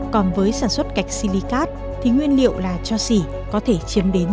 còn với sản xuất gạch silicate thì nguyên liệu là cho xỉ có thể chiếm đến chín mươi